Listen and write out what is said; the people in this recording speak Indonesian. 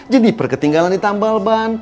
jadi perketinggalan di tambal ban